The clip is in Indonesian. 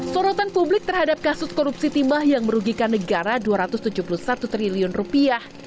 sorotan publik terhadap kasus korupsi timah yang merugikan negara dua ratus tujuh puluh satu triliun rupiah